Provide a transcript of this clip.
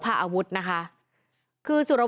ตายหนึ่ง